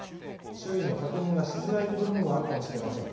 周囲の確認がしづらい部分もあるかもしれません。